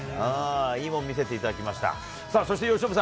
いいもん見せていただきました。